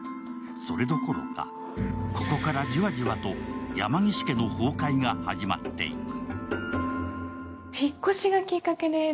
それどころか、ここからじわじわと山岸家の崩壊が始まっていく。